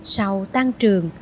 sau tan trường